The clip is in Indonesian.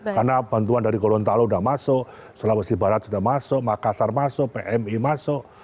karena bantuan dari golontalo sudah masuk sulawesi barat sudah masuk makassar masuk pmi masuk